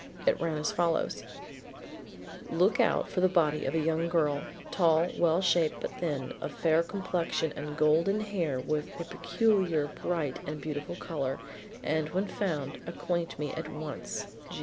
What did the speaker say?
It ran as follows: Look out for the body of a young girl, tall, well shaped but thin, of fair complexion and golden hair of a peculiar bright and beautiful color, and when found, acquaint me at once.